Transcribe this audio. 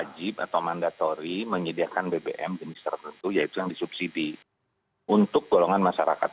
jadi ini kan berdasarkan undang undang ikes nomor dua puluh dua dua ribu satu